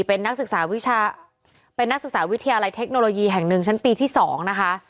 เป็นนักศึกษาวิทยาลัยเทคโนโลยีแห่ง๑ชั้นปีที่๒นะคะ